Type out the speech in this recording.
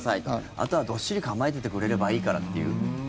あとはどっしり構えてくれればいいからという。